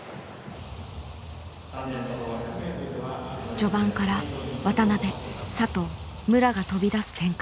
序盤から渡辺佐藤武良が飛び出す展開。